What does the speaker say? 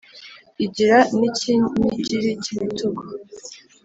igira n‘icyinigiri k’ibitugu,